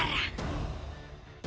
hanya oneshop burada